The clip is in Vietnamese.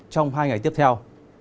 trong hai ngày tiếp theo